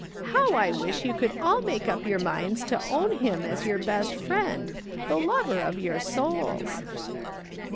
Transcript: How I wish you could all make up your minds to own him as your best friend, the lover of your souls."